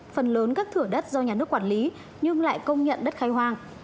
phần lớn các thửa đất do nhà nước quản lý nhưng lại công nhận đất khai hoang